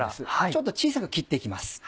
ちょっと小さく切って行きます。